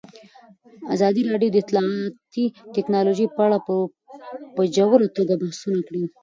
ازادي راډیو د اطلاعاتی تکنالوژي په اړه په ژوره توګه بحثونه کړي.